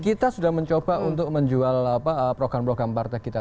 kita sudah mencoba untuk menjual program program partai kita